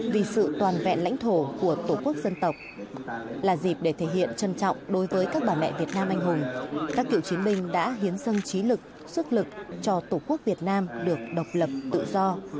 vì sự toàn vẹn lãnh thổ của tổ quốc dân tộc là dịp để thể hiện trân trọng đối với các bà mẹ việt nam anh hùng các cựu chiến binh đã hiến dâng trí lực sức lực cho tổ quốc việt nam được độc lập tự do